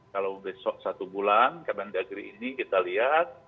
kalau besok satu bulan karena diakhiri ini kita lihat